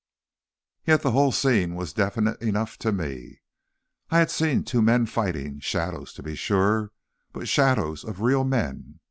Yet the whole scene was definite enough to me. I had seen two men fighting, shadows, to be sure, but shadows of real men.